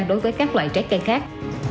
đối với các loại trái cây khác